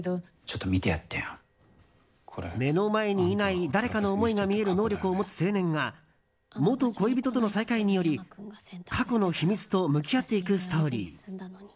映画は、誰かの思いが見える能力を持つ青年が元恋人との再会により過去の秘密と向き合っていくストーリー。